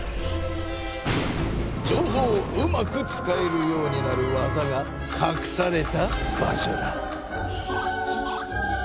情報をうまく使えるようになる技がかくされた場所だ。